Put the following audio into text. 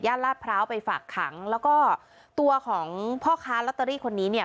ลาดพร้าวไปฝากขังแล้วก็ตัวของพ่อค้าลอตเตอรี่คนนี้เนี่ย